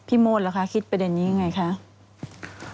พี่มดเหรอคะคิดเวลาประเด็นนี้ง่ายไงคะ